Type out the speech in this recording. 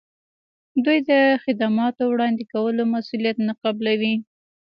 دوی د خدماتو وړاندې کولو مسولیت نه قبلوي.